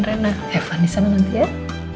tidak ada yang bisa diberi kekuatan